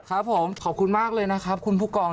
ครับผมขอบคุณมากเลยนะครับคุณผู้กอง